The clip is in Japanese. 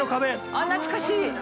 あっ懐かしい！